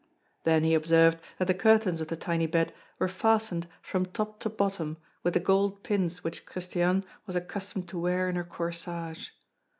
Then he observed that the curtains of the tiny bed were fastened from top to bottom with the gold pins which Christiane was accustomed to wear in her corsage.